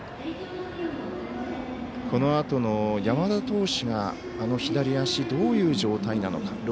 このあとの山田投手が左足、どういう状態なのか。